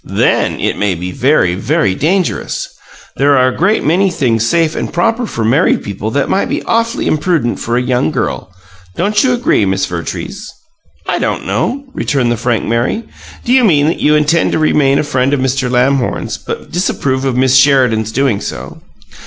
THEN it may be very, very dangerous. There are a great many things safe and proper for married people that might be awf'ly imprudent for a young girl. Don't you agree, Miss Vertrees?" "I don't know," returned the frank Mary. "Do you mean that you intend to remain a friend of Mr. Lamhorn's, but disapprove of Miss Sheridan's doing so?"